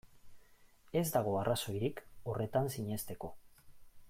Ez dago arrazoirik horretan sinesteko.